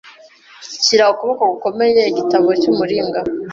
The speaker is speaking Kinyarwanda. shyira ukuboko gukomeye Igitabo cyumuringa